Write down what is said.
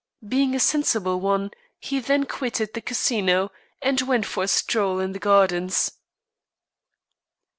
Being a sensible one, he then quitted the Casino and went for a stroll in the gardens.